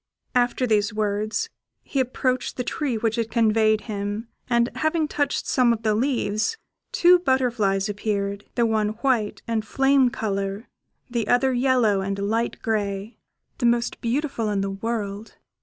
After these words, he approached the tree which had conveyed him, and having touched some of the leaves, two butterflies appeared, the one white and flame colour, the other yellow and light grey the most beautiful in the world.